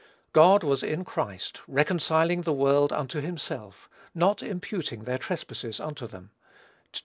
"God was in Christ, reconciling the world unto himself, not imputing their trespasses unto them."